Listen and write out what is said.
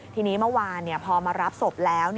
ทีนี้เมื่อวานพอมารับศพแล้ว